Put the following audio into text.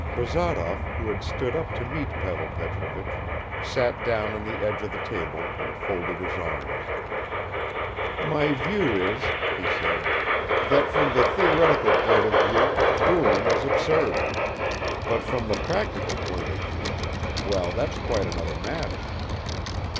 Bazarov, who had stood up to meet Pavel Petrovich, sat down on the edge of the table and folded his arms. "My view is," he said, "that from the theoretical point of view dueling is absurd; but from the practical point of view well, that's quite another matter."